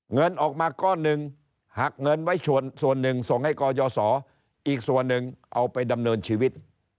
เงินออกมาก้อนหนึ่งหักเงินไว้ส่วนหนึ่งส่งให้กยศอีกส่วนหนึ่งเอาไปดำเนินชีวิต